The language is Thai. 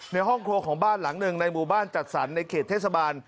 ในห้องครัวของบ้านหลังหนึ่งในหมู่บ้านจัดสรรในเขตเทศบาล